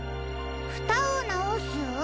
ふたをなおす？